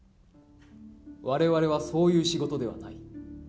われわれはそういう仕事ではない。